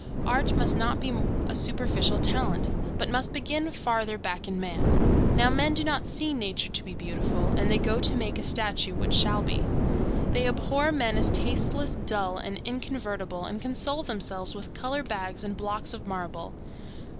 Art must not be a superficial talent, but must begin farther back in man. Now men do not see nature to be beautiful, and they go to make a statue which shall be. They abhor men as tasteless, dull, and inconvertible, and console themselves with color bags and blocks of marble.